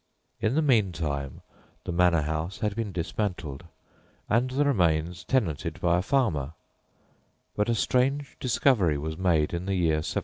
In the meantime the manor house had been dismantled and the remains tenanted by a farmer; but a strange discovery was made in the year 1708.